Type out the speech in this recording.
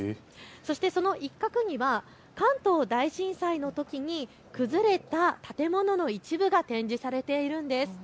そしてその一角には関東大震災のときに崩れた建物の一部が展示されているんです。